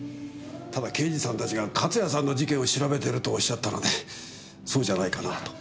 ただ刑事さんたちが勝谷さんの事件を調べてるとおっしゃったのでそうじゃないかなと。